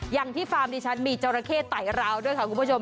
ที่ฟาร์มดิฉันมีจราเข้ไต่ราวด้วยค่ะคุณผู้ชม